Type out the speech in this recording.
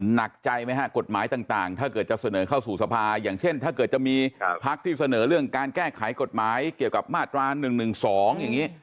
หนักใจไหมฮะกฎหมายต่างถ้าเกิดจะเสนอเข้าสู่สภาอย่างเช่นถ้าเกิดจะมีพักที่เสนอเรื่องการแก้ไขกฎหมายเกี่ยวกับมาตรา๑๑๒อย่างนี้